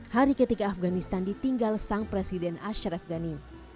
hari ketika afganistan ditinggal sang presiden ashraf ghani